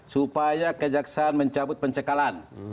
supaya kejaksaan mencabut pencekalan